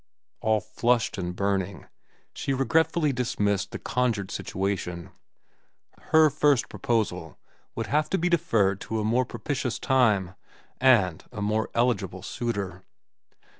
All flushed and burning, she regretfully dismissed the conjured situation. Her first proposal would have to be deferred to a more propitious time and a more eligible suitor.